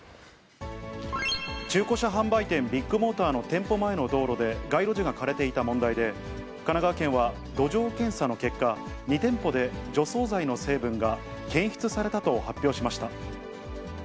中古車販売店、ビッグモーターの店舗前の道路で、街路樹が枯れていた問題で、神奈川県は土壌検査の結果、２店舗で除草剤の成分が検出されたと発表しました。